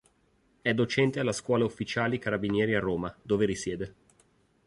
È docente alla Scuola ufficiali carabinieri a Roma, dove risiede.